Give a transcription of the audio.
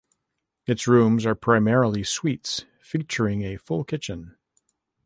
Its rooms are primarily suites featuring a full kitchen.